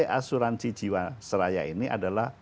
asuransi jiwaseraya ini adalah